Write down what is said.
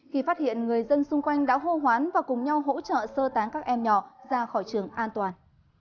khi phát hiện người dân xung quanh đã hô hoán và cùng nhau hỗ trợ sơ tán các em nhỏ ra khỏi trường an toàn